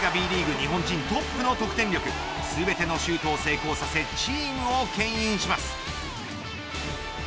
さすがＢリーグ日本人トップの得点力全てのシュートを成功させチームをけん引します。